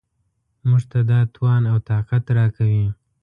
موږ ته دا توان او طاقت راکوي.